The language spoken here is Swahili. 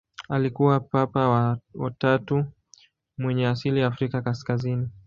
Alikuwa Papa wa tatu mwenye asili ya Afrika kaskazini.